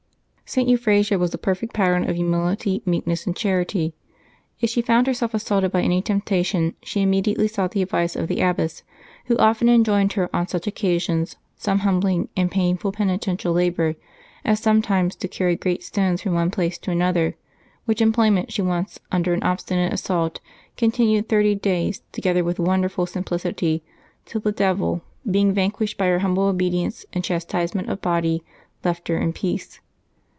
St. Euphrasia was a perfect pattern of humility, meekness, and charity. If she found herself assaulted by any temptation, she immediately sought the advice of the abbess, who often enjoined her on such occasions some humbling and painful penitential labor, as sometimes to carry great stones from one place to another; which em ployment she once, under an obstinate assault, continued Mabch 14J LIVES OF THE SAINTS lOT thirty days together with wonderful simplicity, till the devil, being vanquished by her humble obedience and chas tisement of her body, left her in peace.